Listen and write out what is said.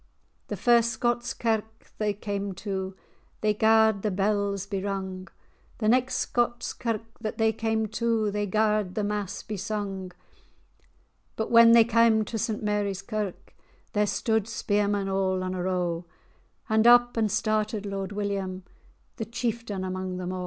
The first Scots kirk that they cam to, They garred the bells be rung; The next Scots kirk that they cam to, They garred fhe mass be sung. But when they cam to St Mary's Kirk, There stude spearmen all on a row; And up and started Lord William, The chieftaine amang them a'.